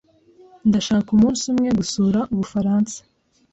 Ndashaka umunsi umwe gusura Ubufaransa.